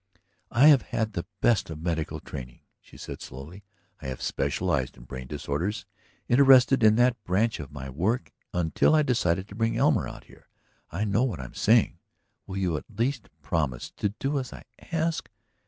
"I have had the best of medical training," she said slowly. "I have specialized in brain disorders, interested in that branch of my work until I decided to bring Elmer out here. I know what I am saying. Will you at least promise to do as I ask?